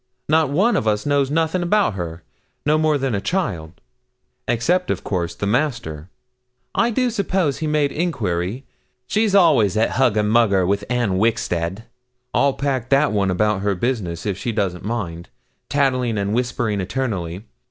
Not one of us knows nothing about her, no more than a child; except, of course, the Master I do suppose he made enquiry. She's always at hugger mugger with Anne Wixted. I'll pack that one about her business, if she doesn't mind. Tattling and whispering eternally.